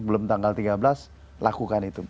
belum tanggal tiga belas lakukan itu